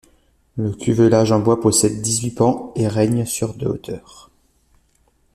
Le cuvelage en bois possède dix-huit pans, et règne sur de hauteur.